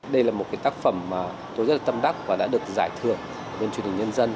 đây là một tác phẩm mà tôi rất là tâm đắc và đã được giải thưởng bên truyền hình nhân dân